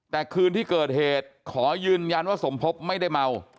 แต่คืนที่เกิดเหตุขอยืนยันว่าสมภพไม่ได้เมา